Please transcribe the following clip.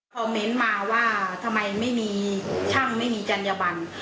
คอมเม้นต์มาว่าทำไมไม่มีช่างไม่มีจรรยาบรรดิ